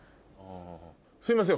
すいません。